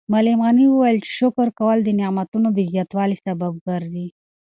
معلم غني وویل چې شکر کول د نعمتونو د زیاتوالي سبب ګرځي.